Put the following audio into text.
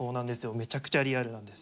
めちゃくちゃリアルなんです。